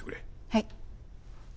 はい。